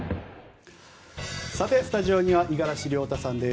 スタジオには五十嵐亮太さんです。